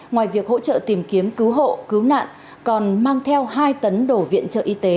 ngoài việc hỗ trợ tìm kiếm cứu hộ cứu nạn còn mang theo hai tấn đổ viện trợ y tế